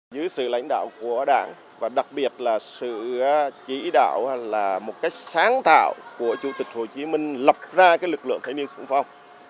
dưới sự lãnh đạo của đảng và đặc biệt là sự chỉ đạo là một cách sáng tạo của chủ tịch hồ chí minh lập ra lực lượng thanh niên sung phong